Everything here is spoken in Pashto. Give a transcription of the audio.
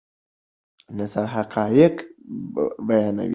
نثر حقایق بیانوي.